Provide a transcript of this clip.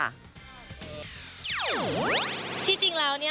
ที่จริงแล้วเนี่ย